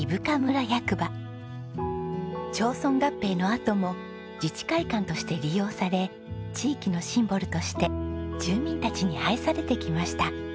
町村合併のあとも自治会館として利用され地域のシンボルとして住民たちに愛されてきました。